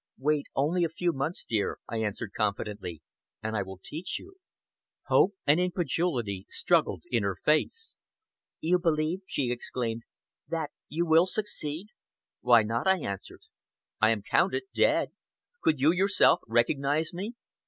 "Wait only a few months, dear," I answered confidently, "and I will teach you." Hope and incredulity struggled together in her face. "You believe," she exclaimed, "that you will succeed?" "Why not?" I answered. "I am counted dead. Could you yourself recognize me?"